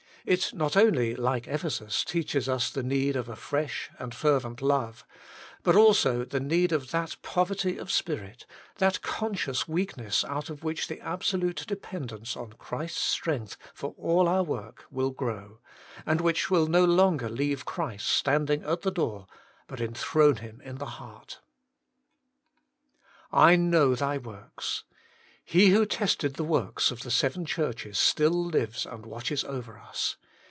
It not only, like Ephesus, teaches us the need of a fresh and fervent love, but also the need of that pov 156 Working for God erty of spirit, that conscious weakness out of which the absolute dependence on Christ's strength for all our work will grow, and which will no longer leave Christ standing at the door, but enthrone Him in the Heart. ' I know thy works.' He who tested the works of the seven churches still lives and watches over us.